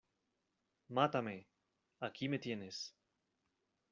¡ mátame, aquí me tienes!